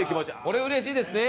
これうれしいですね。